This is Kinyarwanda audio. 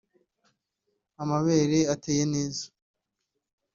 amabere ateye neza